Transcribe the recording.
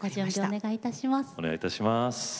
お願いいたします。